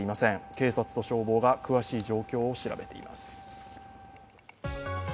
警察と消防が詳しい状況を調べています。